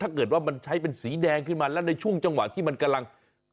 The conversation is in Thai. ถ้าเกิดว่ามันใช้เป็นสีแดงขึ้นมาแล้วในช่วงจังหวะที่มันกำลัง